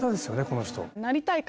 この人。